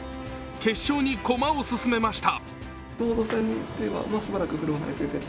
決勝に駒を進めました。